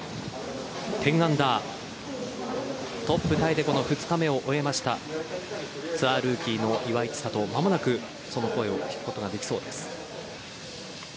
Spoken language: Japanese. １０アンダートップタイで２日目を終えましたツアールーキーの岩井千怜間もなくその声を聞くことができそうです。